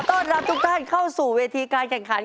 ต้อนรับทุกท่านเข้าสู่เวทีการแข่งขัน